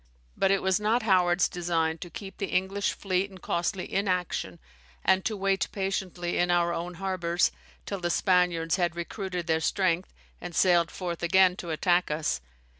But it was not Howard's design to keep the English fleet in costly inaction, and to wait patiently in our own harbours, till the Spaniards had recruited their strength, and sailed forth again to attack us.